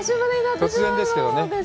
突然ですけどね。